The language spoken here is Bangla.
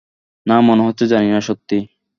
না, মনে হচ্ছে জানিনা, সত্যিই।